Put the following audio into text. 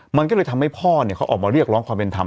มันก็เลยทำให้พ่อเขาออกมาเรียกร้องความเป็นธรรม